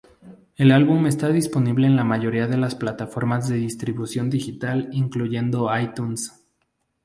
El álbum está disponible en la mayoría de plataformas de distribución digital incluyendo iTunes.